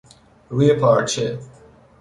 روی پارچه